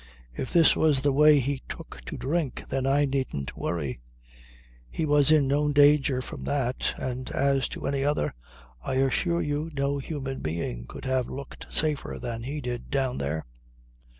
If this was the way he took to drink, then I needn't worry. He was in no danger from that, and as to any other, I assure you no human being could have looked safer than he did down there.